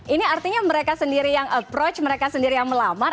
ini artinya mereka sendiri yang approach mereka sendiri yang melamar